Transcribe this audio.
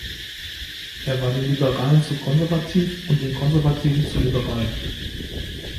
Er war den Liberalen zu konservativ und den Konservativen zu liberal.